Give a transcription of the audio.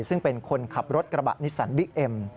ซึ่งเป็นคนขับรถกระบะนิสสันบิ๊กเอ็ม